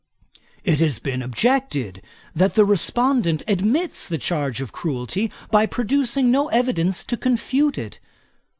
It has been objected, that the respondent admits the charge of cruelty, by producing no evidence to confute it.